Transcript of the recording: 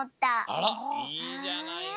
あらっいいじゃないの。